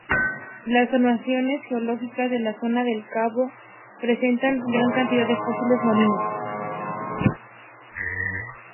Las formaciones geológicas de la zona del cabo, presentan gran cantidad de fósiles marinos.